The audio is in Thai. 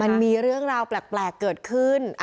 มันมีเรื่องราวแปลกเกิดขึ้น